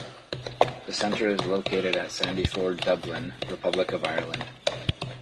The centre is located at Sandyford, Dublin, Republic of Ireland.